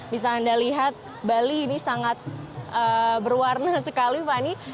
bisa anda lihat bali ini sangat berwarna sekali fani